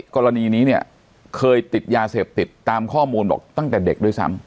กรณีนี้เนี่ยเคยติดยาเสพติดตามข้อมูลบอกตั้งแต่เด็กด้วยซ้ำ